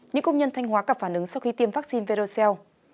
những công nhân thanh hóa cặp phản ứng sau khi tiêm vaccine verocell